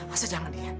asal jangan dia